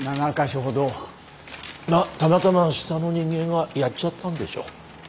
またまたま下の人間がやっちゃったんでしょう。